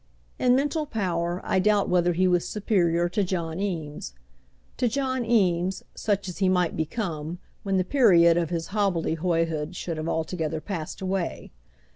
In mental power I doubt whether he was superior to John Eames; to John Eames, such as he might become when the period of his hobbledehoyhood should have altogether passed away.